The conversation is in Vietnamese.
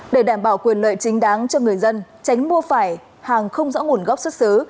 để đảm bảo quyền lợi chính đáng cho người dân tránh mua phải hàng không rõ nguồn gốc xuất xứ